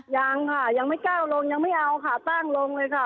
ยังค่ะยังไม่ก้าวลงยังไม่เอาค่ะตั้งลงเลยค่ะ